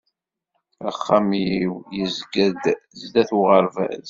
Axxam-iw yezga-d zdat uɣerbaz.